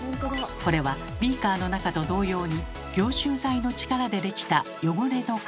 これはビーカーの中と同様に凝集剤の力で出来た汚れの塊。